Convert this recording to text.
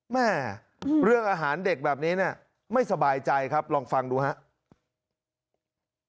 แม่เรื่องอาหารเด็กแบบนี้เนี่ยไม่สบายใจครับลองฟังดูครับ